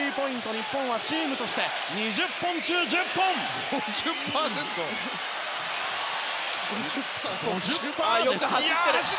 日本はチームとして２０本中１０本！５０％！